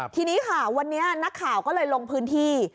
ทีนี้ค่ะวันนี้นักข่าวก็เลยลงพื้นที่